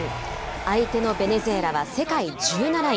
相手のベネズエラは世界１７位。